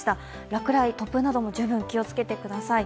落雷、突風なども十分気をつけてください。